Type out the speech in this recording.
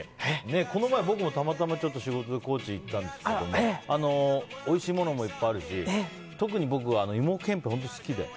この前僕もたまたま仕事で高知に行ったんですけどもおいしいものもいっぱいあるし特にぼく、芋けんぴが本当に好きで。